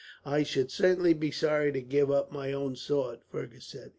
"I should certainly be sorry to give up my own sword," Fergus said.